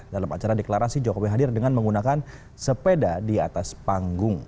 dalam acara deklarasi jokowi hadir dengan menggunakan sepeda di atas panggung